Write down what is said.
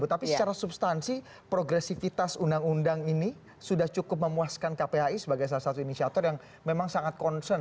tapi secara substansi progresivitas undang undang ini sudah cukup memuaskan kpai sebagai salah satu inisiator yang memang sangat concern